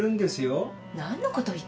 何のこと言ってるの？